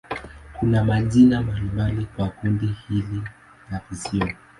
Kuna majina mbalimbali kwa kundi hili la visiwa.